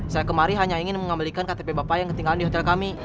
saya kemarin hanya ingin mengembalikan ktp bapak yang ketinggalan di hotel kami